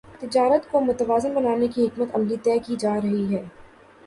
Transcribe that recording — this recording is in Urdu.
تجارت کو متوازن بنانے کی حکمت عملی طے کی جارہی ہے